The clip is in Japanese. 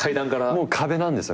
もう壁なんですよ